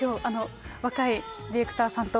若いディレクターさんと。